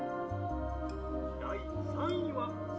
第３位は。